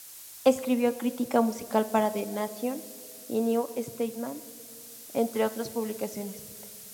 Escribió crítica musical para The Nation y New Statesman entre otras publicaciones.